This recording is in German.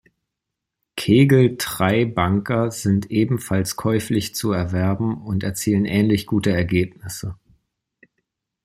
Kegel-Treibanker sind ebenfalls käuflich zu erwerben und erzielen ähnlich gute Ergebnisse.